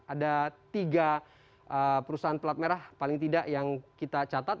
ada tiga perusahaan pelat merah paling tidak yang kita catat